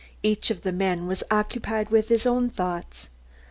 Each of the men was occupied with his own thoughts.